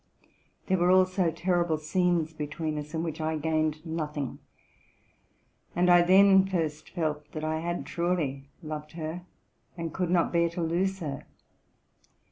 There were also terrible scenes between us, in which I gained nothing ; and I then first felt that I had truly loved her, and could not bear to lose her.